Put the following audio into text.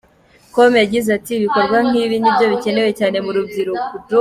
com yagize ati “Ibikorwa nk’ibi nibyo bikenewe cyane mu rubyiruko.